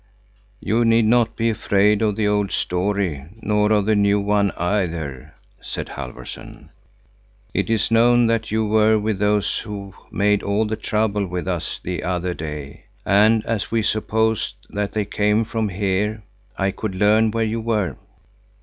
"You need not be afraid of the old story nor of the new one either," said Halfvorson. "It is known that you were with those men who made all the trouble with us the other day. And as we supposed that they came from here, I could learn where you were.